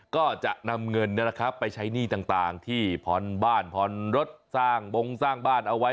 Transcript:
ก็จะนำเงินไปใช้หนี้ต่างที่ผ่อนบ้านผ่อนรถสร้างบงสร้างบ้านเอาไว้